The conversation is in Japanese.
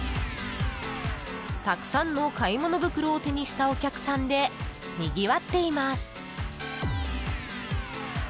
たくさんの買い物袋を手にしたお客さんでにぎわっています。